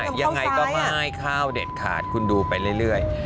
ไม่ยังไงก็ไม่เข้าเหล็ดขาดคุณดูไปเรื่อย